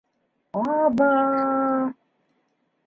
Аба...